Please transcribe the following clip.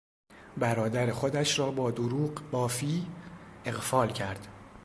برادر خودش را با دروغ بافی اغفال کرد.